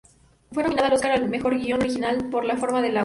Fue nominada al Óscar al mejor guion original por "La forma del agua".